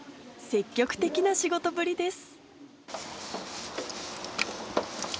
積極的な仕事ぶりです。